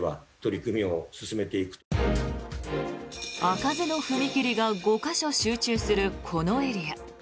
開かずの踏切が５か所集中するこのエリア。